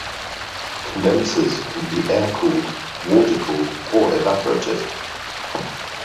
Condensers can be air-cooled, water-cooled, or evaporative.